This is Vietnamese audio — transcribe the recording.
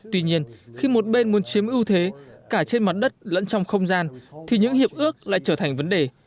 tuy nhiên khi một bên muốn chiếm ưu thế cả trên mặt đất lẫn trong không gian thì những hiệp ước lại trở thành vấn đề